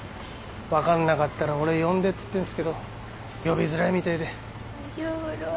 分かんなかったら俺呼んでっつってんすけど呼びづらいみたいで。ばいじょうぶろ。